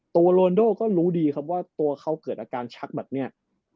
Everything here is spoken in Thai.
ตัวโลโลกก็รู้ดีครับว่าตัวเขาเกิดอาการชักแบบเนี่ย